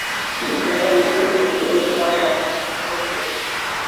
পেয়াদার উৎপীড়নে কৈবর্তপাড়ার আর মানসম্ভ্রম থাকে না।